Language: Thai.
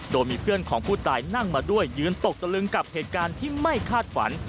โดยมีเพื่อนของผู้ตายนั่งมาด้วยยืนตกตะลึงกับเหตุการณ์ที่ไม่คาดฝัน